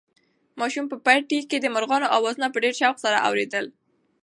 ماشوم په پټي کې د مرغانو اوازونه په ډېر شوق سره اورېدل.